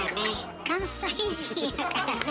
関西人やからね。